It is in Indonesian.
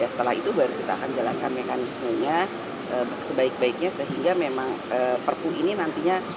setelah itu baru kita akan jalankan mekanismenya sebaik baiknya sehingga memang perpu ini nantinya